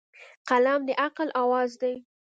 قلم د عقل اواز دی.